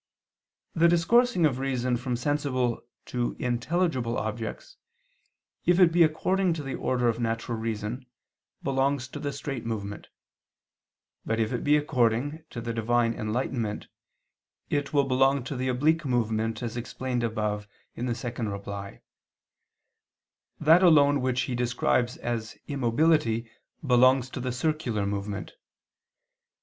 The discoursing of reason from sensible to intelligible objects, if it be according to the order of natural reason, belongs to the straight movement; but if it be according to the Divine enlightenment, it will belong to the oblique movement as explained above (ad 2). That alone which he describes as immobility belongs to the circular movement.